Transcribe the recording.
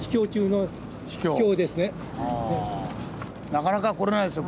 なかなか来れないですよ